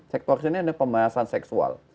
sektor ini adalah pembahasan seksual